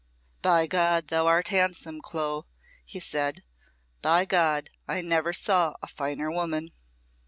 "By God, thou art handsome, Clo!" he said. "By God, I never saw a finer woman!"